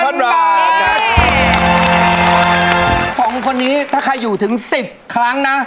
สองคนนี้ถ้าใครอยู่ถึง๑๐ครั้งนะ